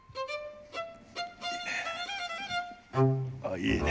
いいね。